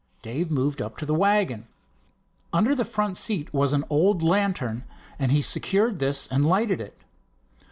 Dave moved up to the wagon. Under the front seat was an oil lantern, and he secured this and lighted it.